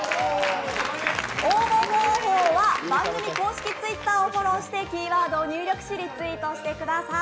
応募方法は番組公式Ｔｗｉｔｔｅｒをフォローしてキーワードを入力しリツイートしてください。